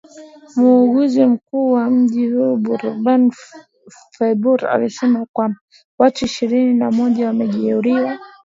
Muuguzi mkuu wa mji huo Bourama Faboure alisema kwamba watu ishirini na moja wamejeruhiwa wakiwemo wale waliopata majeraha ya moto